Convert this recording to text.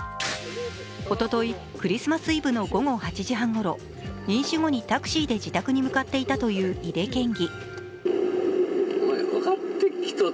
おととい、クリスマスイブの午後８時半ごろ、飲酒後にタクシーで自宅に向かっていたという井手県議。